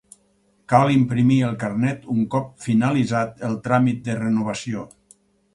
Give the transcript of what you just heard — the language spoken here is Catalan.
Cal imprimir el carnet un cop finalitzat el tràmit de renovació.